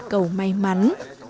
cầu may mắn